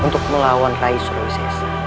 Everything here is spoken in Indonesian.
untuk melawan raden surawi sesa